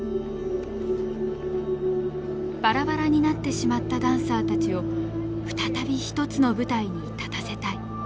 バラバラになってしまったダンサーたちを再び一つの舞台に立たせたい。